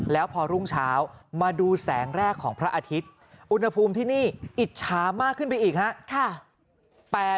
แล้วพอรุ่งเช้ามาดูแสงแรกของพระอาทิตย์อุณหภูมิที่นี่อิจฉามากขึ้นไปอีกฮะ